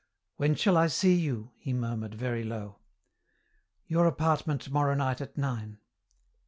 "When shall I see you?" he murmured, very low. "Your apartment tomorrow night at nine."